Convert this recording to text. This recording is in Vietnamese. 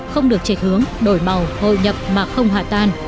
không được trệch hướng đổi màu hội nhập mà không hòa tan